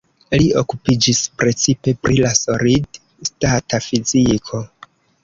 Li okupiĝis precipe pri la solid-stata fiziko.